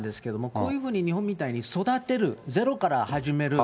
こういうふうに日本みたいに育てる、ゼロから始める。